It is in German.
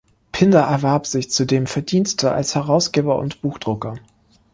Pinder erwarb sich zudem Verdienste als Herausgeber und Buchdrucker.